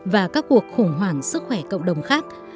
và các cuộc khủng hoảng sức khỏe cộng đồng khác